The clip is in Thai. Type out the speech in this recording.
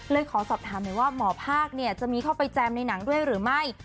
เลยขอสอบถามเลยว่าหมอพากษ์เนี่ยจะมีเขาไปแจมในหนังด้วยหรือไม่